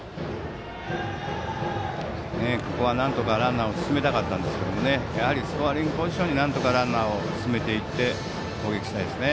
ここはなんとかランナーを進めたかったですがやはりスコアリングポジションになんとかランナーを進めていって、攻撃したいですね。